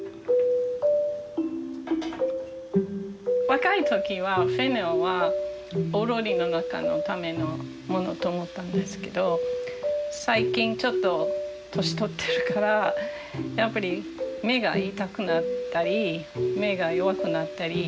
若い時はフェンネルはお料理のためのものと思ったんですけど最近ちょっと年取ってるからやっぱり目が痛くなったり目が弱くなったり。